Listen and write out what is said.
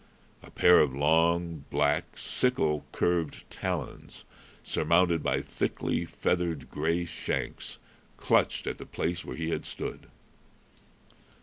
A pair of long, black, sickle curved talons, surmounted by thickly feathered gray shanks, clutched at the place where he had stood.